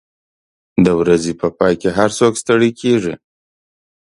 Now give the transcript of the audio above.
د ورځې په پای کې هر څوک ستړي کېږي.